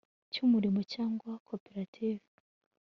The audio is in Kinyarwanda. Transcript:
cy umurimo cyangwa koperative